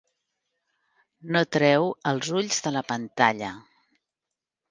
No treu els ulls de la pantalla.